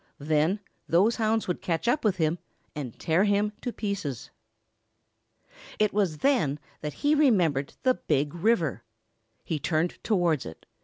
Then those hounds would catch up with him and tear him to pieces. It was then that he remembered the Big River. He turned towards it.